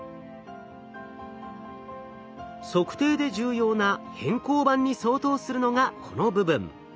測定で重要な偏光板に相当するのがこの部分。